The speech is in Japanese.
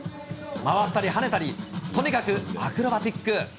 回ったり跳ねたり、とにかくアクロバティック。